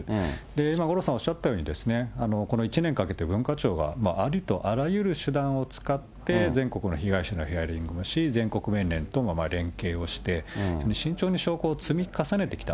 今、五郎さんおっしゃったように、この１年かけて文化庁が、ありとあらゆる手段を使って、全国の被害者のヒアリングもし、全国弁連との検証をし、慎重に証拠を積み重ねてきた。